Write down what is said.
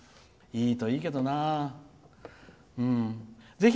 いいといいけどな。